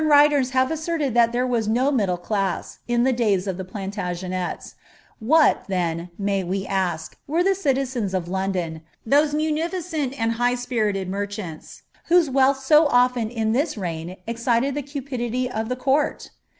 59 Modem writers have asserted that there was no middle class, in the days of the Plantagenets— what, then, may we ask, were the citizens of [4MMlon, those munificent and high spirited merchants, whose wealth so often in this reign excited the cupidity of the court